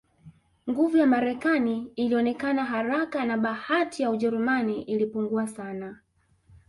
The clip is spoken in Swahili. Nguvu ya Marekani ilionekana haraka na bahati ya Ujerumani ilipungua sana